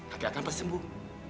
kaki akang pasti sembuh